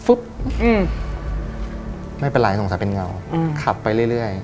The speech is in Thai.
ไม่เป็นไรสงสัยเป็นเงาขับไปเรื่อย